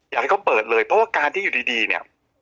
อยากให้เขาเปิดเลยเพราะว่าการที่อยู่ดีเนี่ย